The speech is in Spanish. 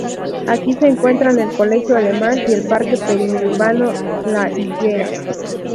Aquí se encuentran el Colegio Alemán y el Parque Periurbano La Higuera.